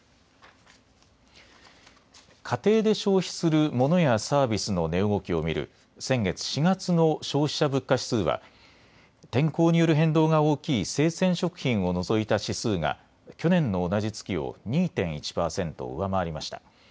家庭で消費するモノやサービスの値動きを見る先月４月の消費者物価指数は天候による変動が大きい生鮮食品を除いた指数が去年の同じ月を２．１％上回りました。